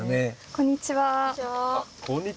こんにちは。